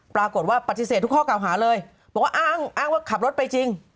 ปรากฏว่าปฏิเสธทุกข้อเก่าหาเลยบอกว่าอ้างอ้างว่าขับรถไปจริง